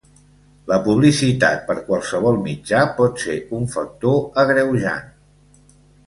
La publicitat per qualsevol mitjà pot ser un factor agreujant.